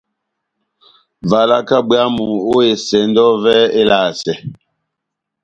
Valaka bwámu ó esɛndɔ yɔvɛ elasɛ.